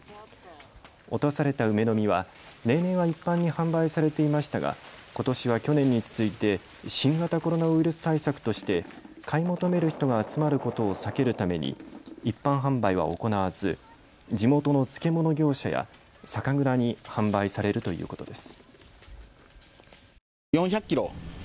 落とされた梅の実は例年は一般に販売されていましたがことしは去年に続いて新型コロナウイルス対策として買い求める人が集まることを避けるために一般販売は行わず地元の漬物業者や酒蔵に販売されるということです。